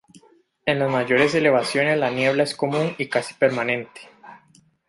En las mayores elevaciones la niebla es común y casi permanente.